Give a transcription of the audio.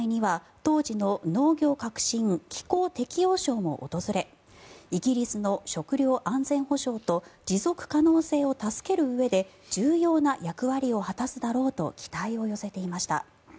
オープンの際には当時の農業革新・気候適応相も訪れイギリスの食料安全保障と持続可能性を助けるうえで重要な役割を果たすだろうと期待を寄せていました。